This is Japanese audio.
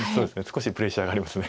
少しプレッシャーがあります。